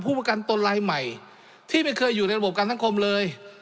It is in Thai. ประกันตนรายใหม่ที่ไม่เคยอยู่ในระบบการสังคมเลย